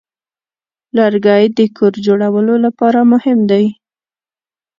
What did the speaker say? لرګی د کور جوړولو لپاره مهم دی.